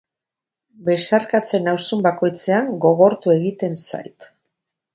Besarkatzen nauzun bakoitzean gogortu egiten zait.